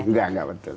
nggak nggak betul